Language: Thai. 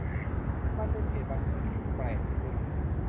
มันเป็นเหตุบังเอิญที่แปลกพิลึก